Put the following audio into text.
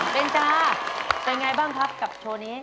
เป็นไงบ้างครับกับโชว์นี้